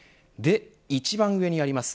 一番上にあります